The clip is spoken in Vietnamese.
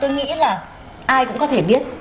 tôi nghĩ là ai cũng có thể biết